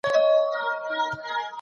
موږ اورېدلي چي غيبت بد کار دی.